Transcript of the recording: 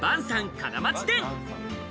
金町店。